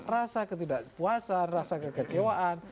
rasa ketidakpuasaan rasa kekecewaan